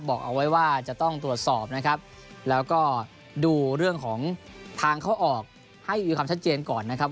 บอกเอาไว้ว่าจะต้องตรวจสอบนะครับแล้วก็ดูเรื่องของทางเข้าออกให้มีความชัดเจนก่อนนะครับ